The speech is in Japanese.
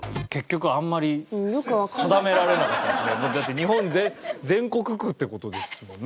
だって日本全国区って事ですもんね。